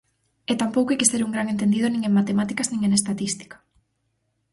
E tampouco hai que ser un gran entendido nin en matemáticas nin en estatística.